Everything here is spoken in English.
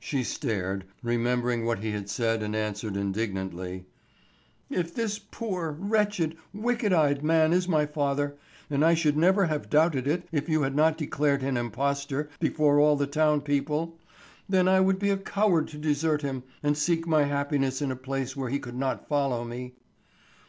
She stared, remembered what he had said and answered indignantly: "If this poor, wretched, wicked eyed man is my father—and I should never have doubted it if you had not declared him an impostor before all the town people—then I would be a coward to desert him and seek my happiness in a place where he could not follow me."